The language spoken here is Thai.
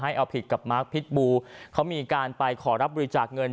เอาผิดกับมาร์คพิษบูเขามีการไปขอรับบริจาคเงิน